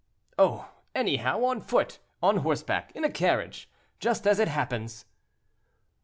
"Oh! anyhow; on foot, on horseback, in a carriage—just as it happens."